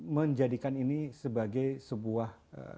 menjadikan ini sebagai sebuah